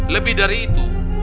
lebih dari itu